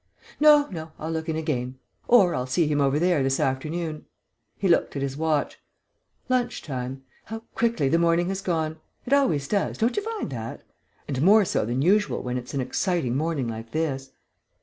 "No. No, I'll look in again. Or I'll see him over there this afternoon." He looked at his watch. "Lunch time. How quickly the morning has gone. It always does; don't you find that? And more so than usual when it's an exciting morning like this."